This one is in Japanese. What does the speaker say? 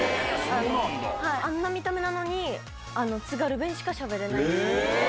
あんな見た目なのに、津軽弁しかしゃべれない。